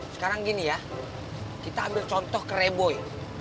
sekarang gini ya kita ambil contoh ke reboy